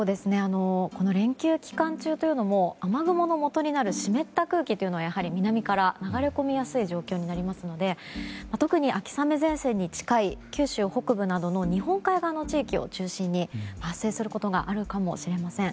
この連休期間中というのも雨雲のもとになる湿った空気はやはり南から流れ込みやすい状況になりますので特に、秋雨前線に近い九州北部などの日本海側の地域を中心に発生することがあるかもしれません。